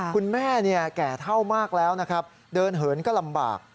คุณแม่แก่เท่ามากแล้วนะครับเดินเหินก็ลำบาก